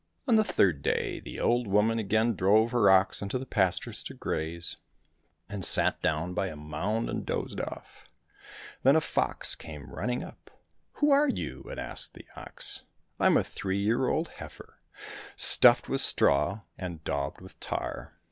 On the third day the old woman again drove her ox into the pastures to graze, and sat down by a mound and dozed off. Then a fox came running up. " Who are you ?" it asked the ox. —" I'm a three year old heifer, stuffed with straw and daubed with tar."